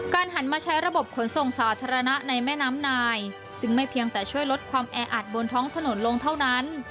หันมาใช้ระบบขนส่งสาธารณะในแม่น้ำนายจึงไม่เพียงแต่ช่วยลดความแออัดบนท้องถนนลงเท่านั้น